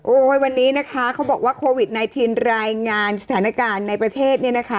โอ้โหวันนี้เขาบอกว่าโควิด๑๙รายงานสถานการณ์ในประเทศ